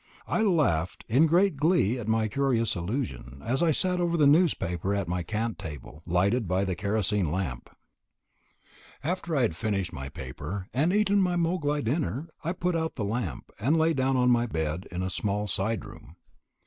I laughed in great glee at my curious illusion, as I sat over the newspaper at my camp table, lighted by the kerosene lamp. After I had finished my paper and eaten my moghlai dinner, I put out the lamp, and lay down on my bed in a small side room.